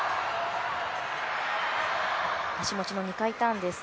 足持ちの２回ターンです。